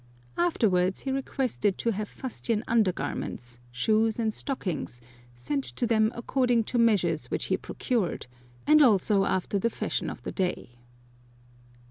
Afterwards he requested to have fustian under garments, shoes and stockings, sent to them according to measures which he procured, and also after the fashion of the day.